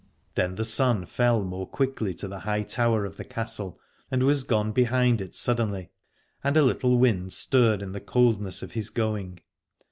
Then the sun fell more quickly to the high tower of the castle, and was gone behind it suddenly, and a little wind stirred in the coldness of his going.